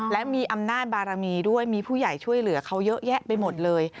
และมีอำนาจบารมีด้วยมีผู้ใหญ่ช่วยเหลือเขาเยอะแยะไปหมดเลย